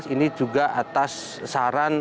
ini juga atas saran